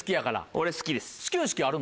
俺好きです。